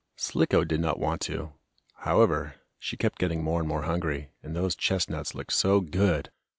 Slicko did not want to. However, she kept getting more and more hungry, and those chestnuts looked so good!